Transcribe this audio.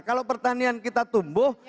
kalau pertanian kita tumbuh